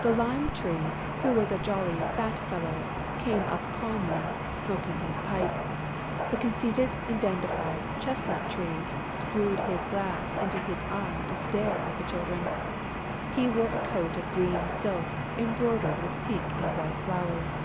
The Lime tree, who was a jolly, fat fellow, came up calmly, smoking his pipe; the conceited and dandified Chestnut tree screwed his glass into his eye to stare at the Children. He wore a coat of green silk embroidered with pink and white flowers.